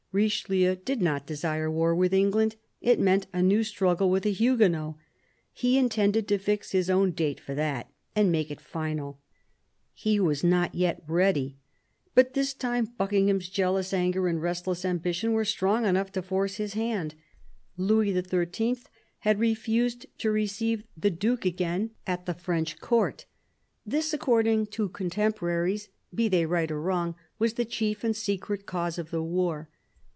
Richelieu did not desire war with England ; it meant a new struggle with the Huguenots. He intended to fix his own date for that, and to make it final. He was not yet ready. But this time Buckingham's jealous anger and restless ambition were strong enough to force his hand. Louis XIII. had refused to receive the Duke again at the THE CARDINAL i8i French Court. This, according to contemporaries, be they right or wrong, was the chief and secret cause of the war.